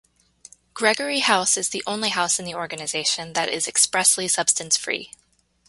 Gregory House is the only house in the organization that is expressly substance free.